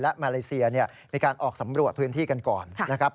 และมาเลเซียมีการออกสำรวจพื้นที่กันก่อนนะครับ